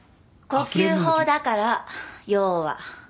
呼吸法だから要は。